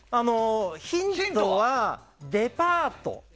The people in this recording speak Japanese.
ヒントは、デパート。